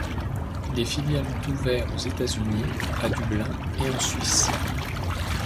Des filiales ont ouvert aux États-unis, à Dublin et en Suisse.